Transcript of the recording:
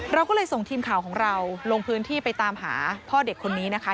เราก็เลยส่งทีมข่าวของเราลงพื้นที่ไปตามหาพ่อเด็กคนนี้นะคะ